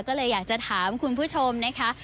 ก็เลยอยากจะถามคุณผู้ชมนะคะ